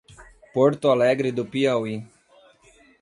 Porto Alegre do Piauí